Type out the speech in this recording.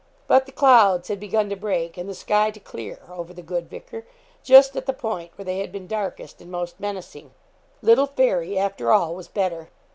But the clouds had begun to break, and the sky to clear, over the good vicar, just at the point where they had been darkest and most menacing. Little Fairy, after all, was better.